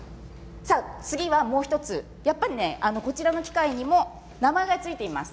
次は、もう１つやっぱり、こちらの機械にも名前が付いています。